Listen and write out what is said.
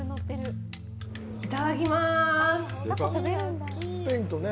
いただきまーす。